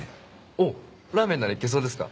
おっラーメンなら行けそうですか？